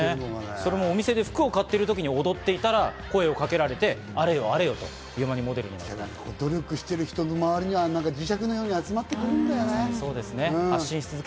それもお店で服を買っている間に声をかけられて、あれよあれよという努力している人の周りには磁石のように集まってくるんだよね。